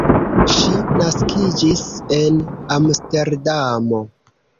Ŝi naskiĝis en Amsterdamo.